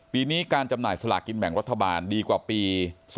ปีนี้การจำหน่ายสลากินแบ่งรัฐบาลดีกว่าปี๒๕๖